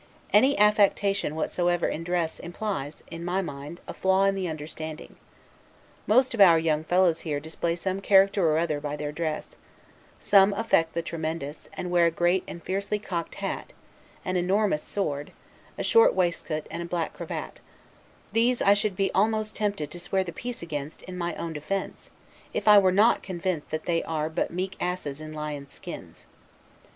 Any affectation whatsoever in dress implies, in my mind, a flaw in the understanding. Most of our young fellows here display some character or other by their dress; some affect the tremendous, and wear a great and fiercely cocked hat, an enormous sword, a short waistcoat and a black cravat; these I should be almost tempted to swear the peace against, in my own defense, if I were not convinced that they are but meek asses in lions' skins.